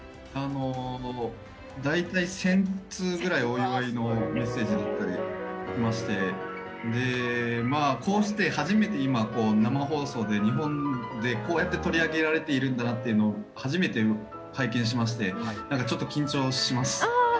大体１０００通くらいお祝いのメッセージが来ましてこうして初めて今、生放送で日本でこうやって取り上げられているんだなというのを初めて拝見しましてちょっと緊張します。